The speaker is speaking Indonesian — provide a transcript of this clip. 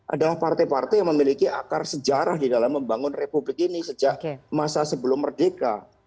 adalah partai partai yang memiliki akar sejarah di dalam membangun republik ini sejak masa sebelum merdeka